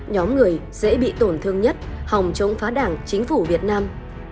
nhóm người dễ bị tổn thương nhất hòng chống phá đảng chính phủ việt nam